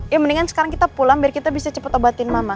ya mendingan sekarang kita pulang biar kita bisa cepat obatin mama